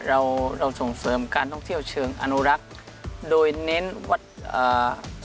เราเราส่งเสริมการท่องเที่ยวเชิงอนุรักษ์โดยเน้นวัดอ่า